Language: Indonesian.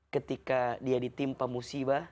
ketika dia ditimpa musibah